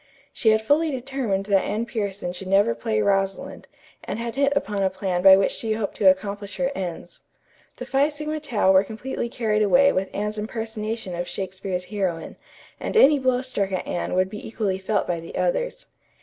She had fully determined that Anne Pierson should never play Rosalind, and had hit upon a plan by which she hoped to accomplish her ends. The Phi Sigma Tau were completely carried away with Anne's impersonation of Shakespeare's heroine, and any blow struck at Anne would be equally felt by the others.